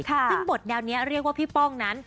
ซึ่งบทแดวเนี่ยเรียกว่าพี่ป้องนะ